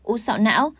u sọ não